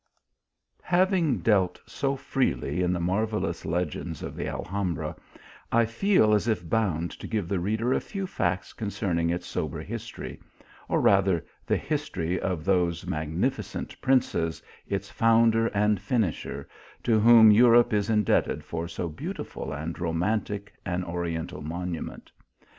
HAVING dealt so freely in the marvellous legends of the Aihambra, I feel as if bound to give the reader a few facts concerning its sober history, or rather the history of those magnificent princes, its founder and finisher, to whom Europe is indebted for so beauti ful and romantic an oriental monument.